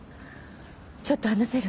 ちょっと話せる？